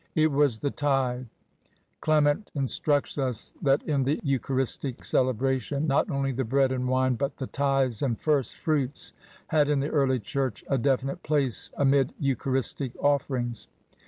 " It was the Tithe, Clement instructs us that in the Eucharistic celebration not only the Bread and Wine, but the Tithes and First fruits, had in the early church a defi nite place amid Eucharistic offerings.